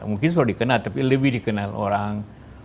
mungkin sudah dikenal tapi lebih dikenal orang